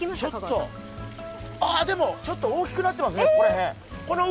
ああ、でも、ちょっと大きくなってますね、この辺。